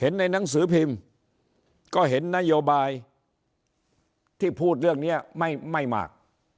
ในหนังสือพิมพ์ก็เห็นนโยบายที่พูดเรื่องนี้ไม่มาก